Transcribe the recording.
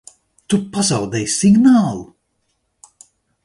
Tu pazaudēji signālu?